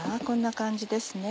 こんな感じです。